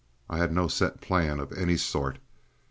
I had no set plan of any sort.